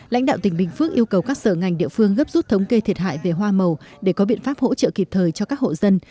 lãnh đạo tỉnh bình phước yêu cầu các sở ngành địa phương gấp rút thống kê thiệt hại về hoa màu để có biện pháp hỗ trợ kịp thời cho các hộ dân